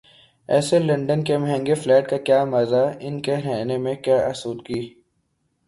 ایسے لندن کے مہنگے فلیٹ کا کیا مزہ، ان کے رہنے میں کیا آسودگی؟